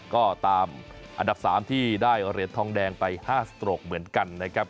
ก็ตามอันดับ๓ที่ได้เหรียญทองแดงไป๕สตรกเหมือนกันนะครับ